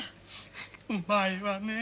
うまいわね